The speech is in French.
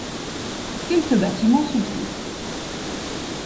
Quelques bâtiments subsistent.